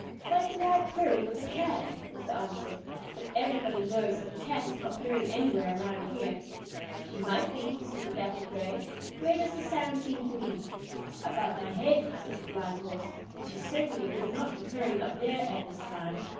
"Like the loud purring of a Cat," was the answer, "but everybody knows that the Cat is not purring anywhere around here." "She might be," said the Dappled Gray. "Where does the sound seem to be?" "Above my head," said the Blind Horse; "and she certainly would not be purring up there at this time.